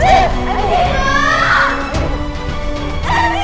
kepala org kepala